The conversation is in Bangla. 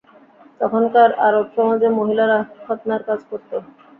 তখনকার আরব সমাজে মহিলারা খৎনার কাজ করত।